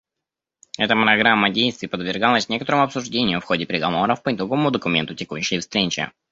Эта Программа действий подверглась некоторому обсуждению в ходе переговоров по итоговому документу текущей встречи.